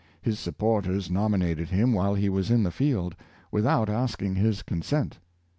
His supporters nominated him while he was in the field, with out asking his consent.